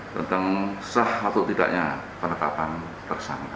tentang sah atau tidaknya penetapan tersangka